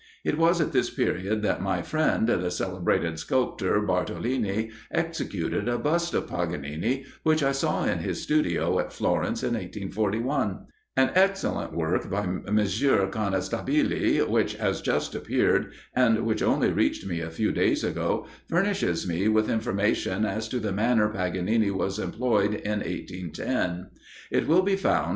It was at this period that my friend, the celebrated sculptor, Bartolini, executed a bust of Paganini, which I saw in his studio at Florence, in 1841. An excellent work by M. Conestabile, which has just appeared, and which only reached me a few days ago,[G] furnishes me with information as to the manner Paganini was employed in 1810. It will be found (p.